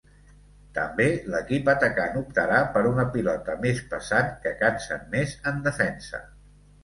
També l'equip atacant optarà per una pilota més pesant, que cansen més en defensa.